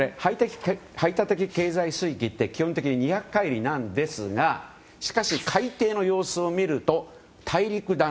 排他的経済水域って基本的に２００海里なんですがしかし、海底の様子を見ると大陸棚。